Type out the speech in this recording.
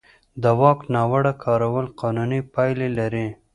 د واک ناوړه کارول قانوني پایلې لري.